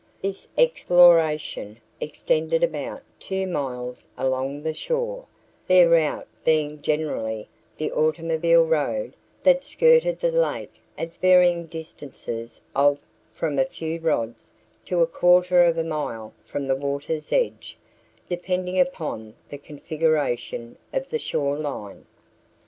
This exploration extended about two miles along the shore, their route being generally the automobile road that skirted the lake at varying distances of from a few rods to a quarter of a mile from the water's edge, depending upon the configuration of the shore line.